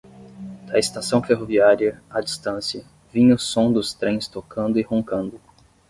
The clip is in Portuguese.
Da estação ferroviária, à distância, vinha o som dos trens tocando e roncando.